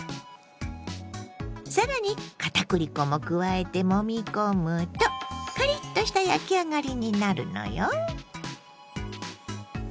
更に片栗粉も加えてもみ込むとカリッとした焼き上がりになるのよ。